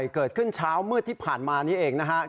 เกิดขึ้นเช้ามืดที่ผ่านมานี้เองนะครับ